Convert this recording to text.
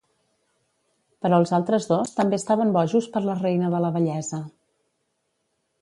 Però els altres dos també estaven bojos per la reina de la bellesa.